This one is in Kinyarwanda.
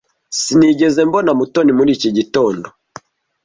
Sinigeze mbona Mutoni muri iki gitondo.